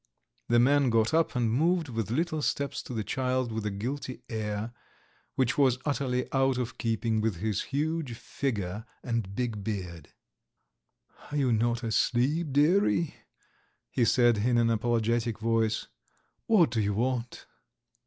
The man got up and moved with little steps to the child with a guilty air, which was utterly out of keeping with his huge figure and big beard. "You are not asleep, dearie?" he said, in an apologetic voice. "What do you want?"